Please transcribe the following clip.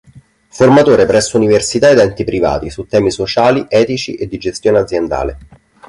Formatore presso università ed enti privati, su temi sociali, etici e di gestione aziendale.